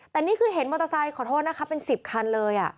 แต่นี่คือเห็นมอเตอร์ไซค์ขอโทษนะคะเป็น๑๐คันเลย